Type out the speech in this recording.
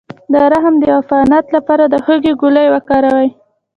د رحم د عفونت لپاره د هوږې ګولۍ وکاروئ